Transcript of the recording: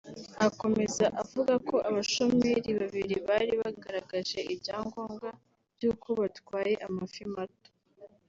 Akomeza avuga ko abashoferi babiri bari bagaragaje ibyangombwa by’uko batwaye amafi mato